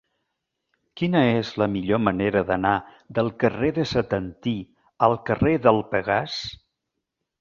Quina és la millor manera d'anar del carrer de Setantí al carrer del Pegàs?